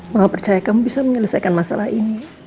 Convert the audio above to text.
maha percaya kamu bisa menyelesaikan masalah ini